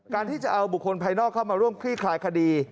ที่จะเอาบุคคลภายนอกเข้ามาร่วมคลี่คลายคดี